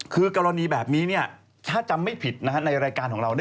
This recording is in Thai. คือกรณีแบบนี้ถ้าจำไม่ผิดในรายการของเรา